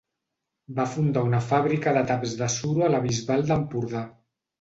Va fundar una fàbrica de taps de suro a La Bisbal d'Empordà.